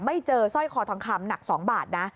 เจอสร้อยคอทองคำหนัก๒บาทนะ